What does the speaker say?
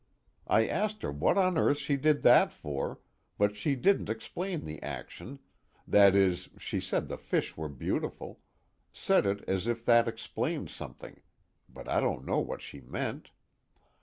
I asked her what on earth she did that for, but she didn't explain the action that is, she said the fish were beautiful, said it as if that explained something, but I don't know what she meant.